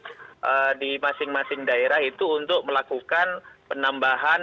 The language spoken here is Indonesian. jadi di masing masing daerah itu untuk melakukan penambahan